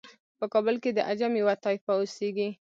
په کابل کې د عجم یوه طایفه اوسیږي.